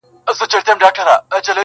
o کله شات کله شکري پيدا کيږي.